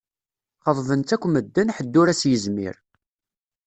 Xeḍben-tt akk medden, ḥedd ur as-yezmir.